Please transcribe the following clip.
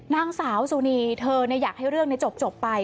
นางสาวสุนีเธออยากให้เรื่องจบไป